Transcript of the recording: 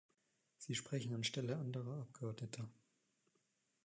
Sie sprechen anstelle anderer Abgeordneter.